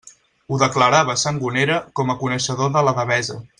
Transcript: Ho declarava Sangonera, com a coneixedor de la Devesa.